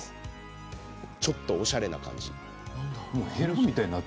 ちょっとおしゃれな感じ。